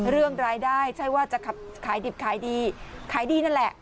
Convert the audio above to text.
เรื่องรายได้ใช่ว่าจะขายดิบขายดีขายดีนั่นแหละ